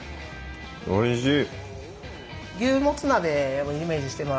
おいしい！